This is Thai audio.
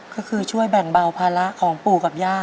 ก็คือช่วยแบ่งเบาภาระของปู่กับย่า